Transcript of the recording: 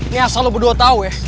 nih asal lo berdua tau ya